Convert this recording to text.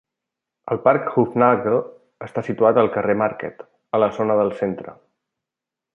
El parc Hufnagle està situat al carrer Market a la zona del centre.